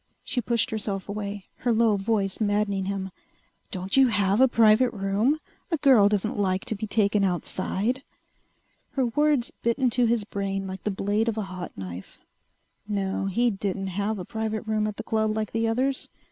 She pushed herself away, her low voice maddening him. "Don't you have a private room? A girl doesn't like to be taken outside...." Her words bit into his brain like the blade of a hot knife. No, he didn't have a private room at the club like the others.